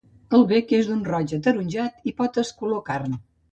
El bec és d'un roig ataronjat i potes color carn.